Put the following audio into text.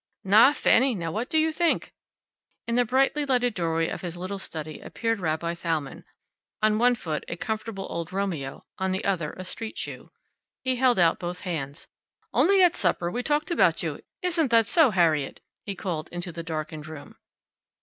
"Na, Fanny! Now what do you think!" In the brightly lighted doorway of his little study appeared Rabbi Thalmann, on one foot a comfortable old romeo, on the other a street shoe. He held out both hands. "Only at supper we talked about you. Isn't that so, Harriet?" He called into the darkened room.